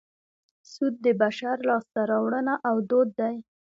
سود د بشر لاسته راوړنه او دود دی